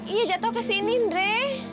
iya jatoh kesini ndre